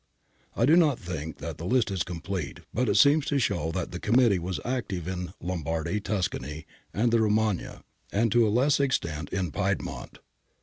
I do not think that the list is complete, but it seems to show that the Committee was active in Lombardy, Tuscany, and the Romagna, and to a less extent in Piedmont.